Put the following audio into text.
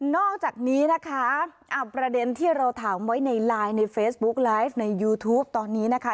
อกจากนี้นะคะประเด็นที่เราถามไว้ในไลน์ในเฟซบุ๊กไลฟ์ในยูทูปตอนนี้นะคะ